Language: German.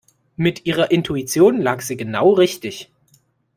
Mit ihrer Intuition lag sie genau richtig.